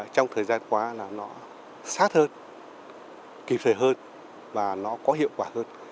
trong thời gian qua là nó sát hơn kịp thời hơn và nó có hiệu quả hơn